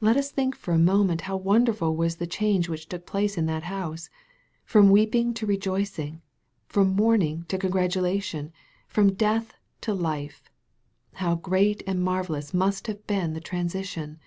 Let us think for a moment how wonderful was the change which took place in that house. From weeping to rejoicing from mourning to congratulation from death to life how great and marvellous must have been the transition